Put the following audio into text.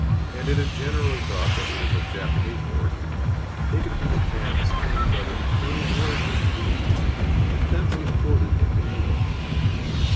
and it is generally thought that it is of Japanese origin, taken from Japan to Spain by the early voyagers to the East, and thence imported into England.